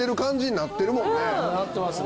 なってますね。